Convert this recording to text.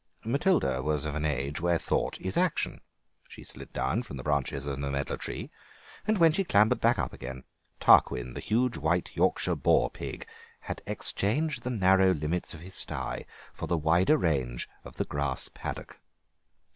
Matilda was of an age when thought is action; she slid down from the branches of the medlar tree, and when she clambered back again Tarquin, the huge white Yorkshire boar pig, had exchanged the narrow limits of his stye for the wider range of the grass paddock.